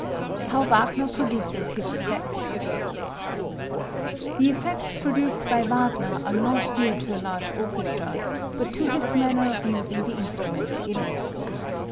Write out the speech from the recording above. How Wagner Produces His Effects. The effects produced by Wagner are not due to a large orchestra, but to his manner of using the instruments in it.